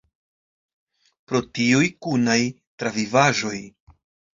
Pro tiuj kunaj travivaĵoj.